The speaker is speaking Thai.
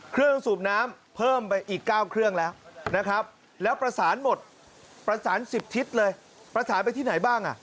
สูบน้ำเพิ่มไปอีก๙เครื่องแล้วนะครับแล้วประสานหมดประสาน๑๐ทิศเลยประสานไปที่ไหนบ้างอ่ะ